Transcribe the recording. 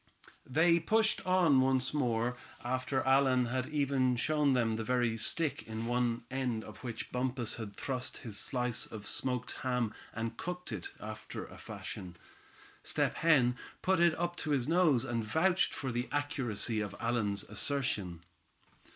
They pushed on once more, after Allan had even shown them the very stick on one end of which Bumpus had thrust his slice of smoked ham, and cooked it, after a fashion. Step Hen put it up to his nose, and vouched for the accuracy of Allan's assertion.